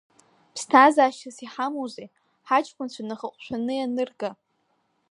Ԥсҭазашьас иҳамоузеи, ҳаҷкунцәа наххыҟушәаны ианырга?